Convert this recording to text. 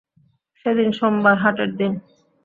সেদিন সোমবার, হাটের দিন।